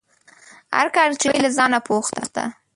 هر کار چې کوې له ځانه پوښته